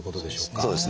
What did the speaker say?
そうですね。